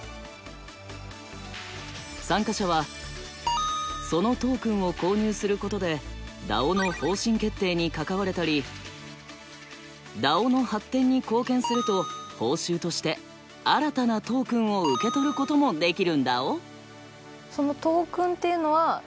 参加者はそのトークンを購入することでＤＡＯの方針決定に関われたりＤＡＯの発展に貢献すると報酬として新たなトークンを受け取ることもできるんだぉ。